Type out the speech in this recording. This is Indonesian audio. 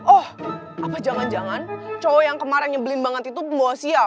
oh apa jangan jangan cowok yang kemarin nyebelin banget itu mau siap